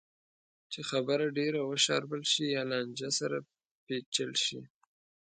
چې خبره ډېره وشاربل شي یا لانجه سره پېچل شي.